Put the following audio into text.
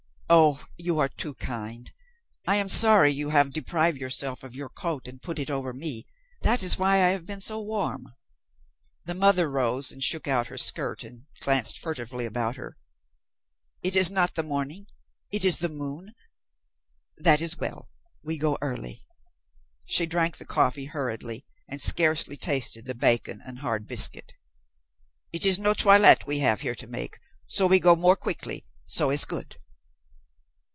"Oh, you are too kind. I am sorry you have deprive yourself of your coat to put it over me. That is why I have been so warm." The mother rose and shook out her skirt and glanced furtively about her. "It is not the morning? It is the moon. That is well we go early." She drank the coffee hurriedly and scarcely tasted the bacon and hard biscuit. "It is no toilet we have here to make. So we go more quickly. So is good."